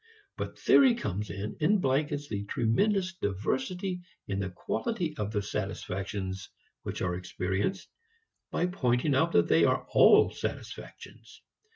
But theory comes in and blankets the tremendous diversity in the quality of the satisfactions which are experienced by pointing out that they are all satisfactions.